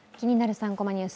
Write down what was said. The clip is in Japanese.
３コマニュース」